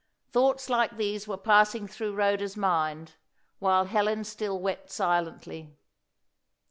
Thoughts like these were passing through Rhoda's mind, while Helen still wept silently.